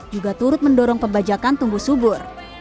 juga turut mendorong pembajakan tumbuh subur